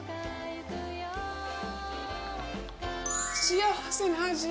幸せな味。